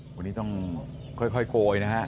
วันนี้ต้องค่อยโกยนะฮะ